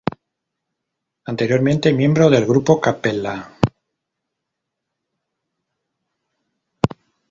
Anteriormente miembro del grupo Cappella.